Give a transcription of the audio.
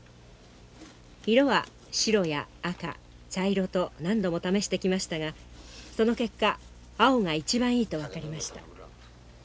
色は白や赤茶色と何度も試してきましたがその結果青が一番いいと分かりました。